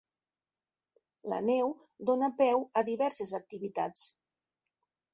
La neu dona peu a diverses activitats.